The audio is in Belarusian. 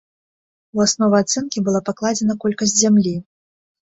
У аснову ацэнкі была пакладзена колькасць зямлі.